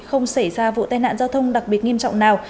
không xảy ra vụ tai nạn giao thông đặc biệt nghiêm trọng nào